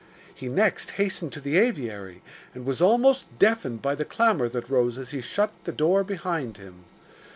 He next hastened to the aviary, and was almost deafened by the clamour that rose as he shut the door behind him.